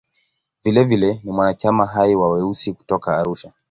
Vilevile ni mwanachama hai wa "Weusi" kutoka Arusha.